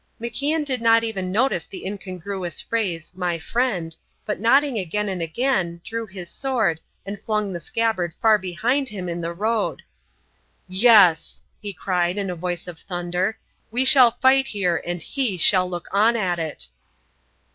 MacIan did not even notice the incongruous phrase "my friend", but nodding again and again, drew his sword and flung the scabbard far behind him in the road. "Yes," he cried, in a voice of thunder, "we will fight here and He shall look on at it."